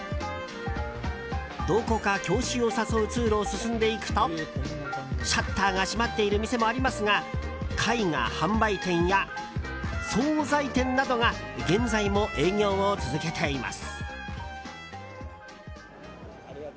どこか郷愁を誘う通路を進んでいくとシャッターが閉まっている店もありますが絵画販売店や総菜店などが現在も営業を続けています。